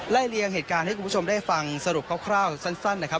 เลียงเหตุการณ์ให้คุณผู้ชมได้ฟังสรุปคร่าวสั้นนะครับ